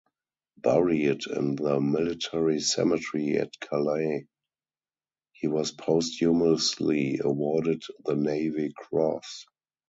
Buried in the military cemetery at Calais, he was posthumously awarded the Navy Cross.